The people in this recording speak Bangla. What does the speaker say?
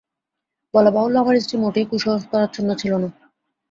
বলাবাহুল্য আমার স্ত্রী মোটেই কুসংস্কারাচ্ছন্ন ছিল না।